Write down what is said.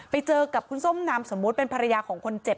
ไปเจอกับคุณส้มนามสมมุติเป็นภรรยาของคนเจ็บ